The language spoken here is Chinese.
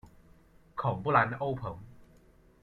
孔布兰欧蓬。